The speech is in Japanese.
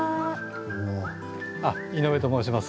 井上と申します。